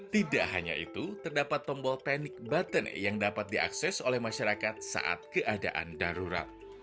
tidak hanya itu terdapat tombol panic button yang dapat diakses oleh masyarakat saat keadaan darurat